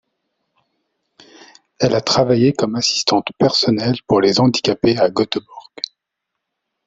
Elle a travaillé comme assistante personnel pour les handicapés à Göteborg.